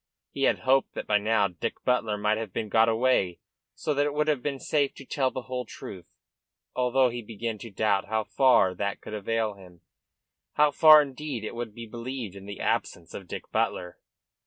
He had hoped that by now Dick Butler might have been got away, so that it would have been safe to tell the whole truth, although he began to doubt how far that could avail him, how far, indeed, it would be believed in the absence of Dick Butler.